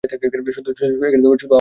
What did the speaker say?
শুধু আওয়াজ হবে।